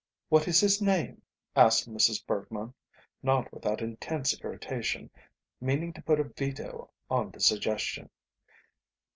"What is his name?" asked Mrs. Bergmann, not without intense irritation, meaning to put a veto on the suggestion.